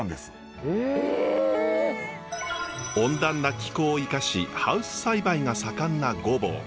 温暖な気候を生かしハウス栽培が盛んな御坊。